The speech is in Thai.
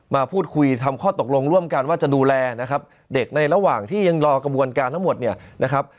มาพูดคุยทำข้อตกลงร่วมกันว่าจะดูแลนะครับเด็กในระหว่างที่ยังรอกระบวนการทั้งหมดเนี่ยนะครับ